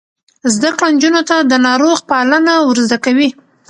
زده کړه نجونو ته د ناروغ پالنه ور زده کوي.